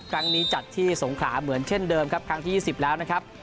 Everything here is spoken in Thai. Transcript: ครั้งนี้จัดที่สงขาเหมือนเช่นเดิมครับครั้งที่ยี่สิบแล้วนะครับ